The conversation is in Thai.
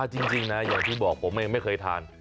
จริงนะอย่างที่บอกผมเองไม่เคยทาน